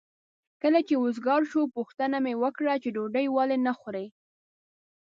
کله چې وزګار شو پوښتنه مې وکړه چې ډوډۍ ولې نه خورې؟